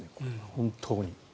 本当に。